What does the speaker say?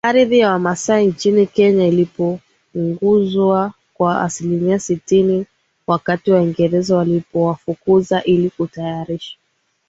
ardhi ya Wamasai nchini Kenya ilipunguzwa kwa asilimia sitini wakati Waingereza walipowafukuza ili kutayarisha